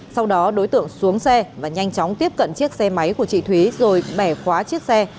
sau đó đối tượng xuống xe và nhanh chóng tiếp cận chiếc xe máy của chị thúy rồi bẻ khóa chiếc xe